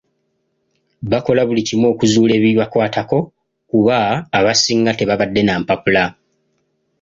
Bakola buli kimu okuzuula ebibakwatako kuba abasinga tebabadde na mpapula.